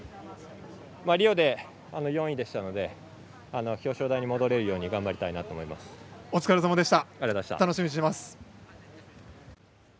リオで４位でしたので表彰台に戻れるようにお疲れさまでした。